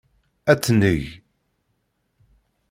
Ad tt-neg.